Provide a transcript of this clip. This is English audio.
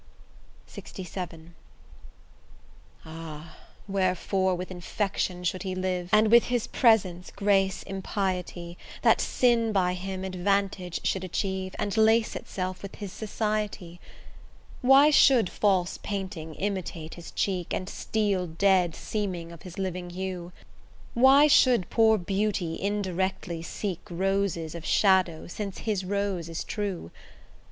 LXVII Ah! wherefore with infection should he live, And with his presence grace impiety, That sin by him advantage should achieve, And lace itself with his society? Why should false painting imitate his cheek, And steel dead seeming of his living hue? Why should poor beauty indirectly seek Roses of shadow, since his rose is true?